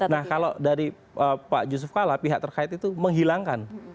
nah kalau dari pak yusuf kala pihak terkait itu menghilangkan